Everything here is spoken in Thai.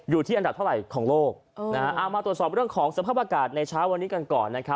อยู่ที่อันดับเท่าไหร่ของโลกเอามาตรวจสอบเรื่องของสภาพอากาศในเช้าวันนี้กันก่อนนะครับ